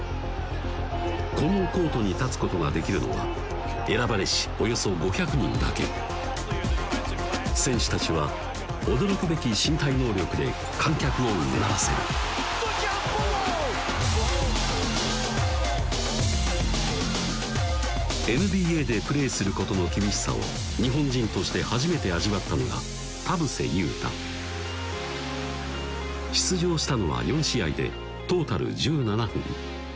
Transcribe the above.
このコートに立つことができるのは選ばれしおよそ５００人だけ選手たちは驚くべき身体能力で観客をうならせるＮＢＡでプレーすることの厳しさを日本人として初めて味わったのが出場したのは４試合でトータル１７分